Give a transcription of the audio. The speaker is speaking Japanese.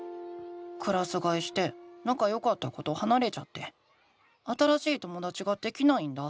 クラスがえしてなかよかった子とはなれちゃって新しいともだちができないんだ。